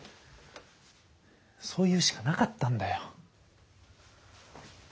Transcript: そう言うしかなかったんだよ。